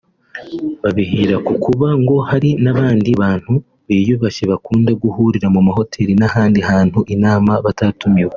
Babihera ku kuba ngo hari n’abandi bantu biyubashye bakunda guhurira mu mahoteli n’ahandi habereye inama batatumiwe